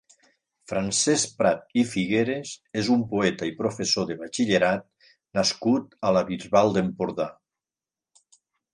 Francesc Prat i Figueres és un poeta i professor de batxillerat nascut a la Bisbal d'Empordà.